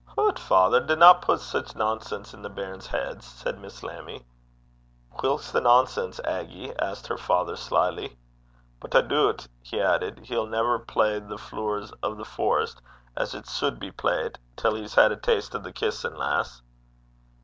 'Hoot, father, dinna put sic nonsense i' the bairns' heids,' said Miss Lammie. 'Whilk 's the nonsense, Aggy?' asked her father, slily. 'But I doobt,' he added, 'he'll never play the Flooers o' the Forest as it suld be playt, till he's had a taste o' the kissin', lass.'